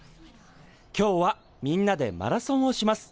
今日はみんなでマラソンをします。